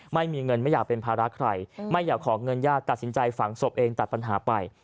ไม่มีเงินไม่อยากเป็นภาระใครไม่อยากขอเงินญาติตัดสินใจฝังศพเองตัดปัญหาไป